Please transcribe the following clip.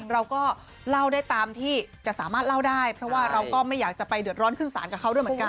เราก็เล่าได้ตามที่จะสามารถเล่าได้เพราะว่าเราก็ไม่อยากจะไปเดือดร้อนขึ้นสารกับเขาด้วยเหมือนกัน